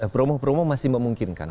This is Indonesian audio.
promo promo masih memungkinkan